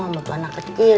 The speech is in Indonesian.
maksud anak kecil